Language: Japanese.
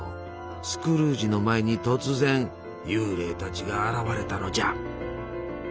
スクルージの前に突然幽霊たちが現れたのじゃ。